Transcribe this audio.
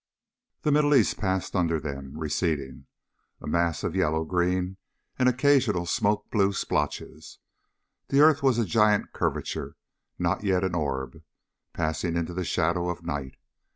The Middle East passed under them, receding, a mass of yellow green and occasional smoke blue splotches. The earth was a giant curvature, not yet an orb, passing into the shadow of night.